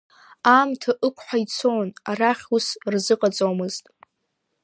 Аамҭа ықәҳа ицон, арахь ус рзыҟаҵомызт…